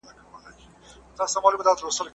انتيک پلورونکي ساعت ته سپکاوی وکی.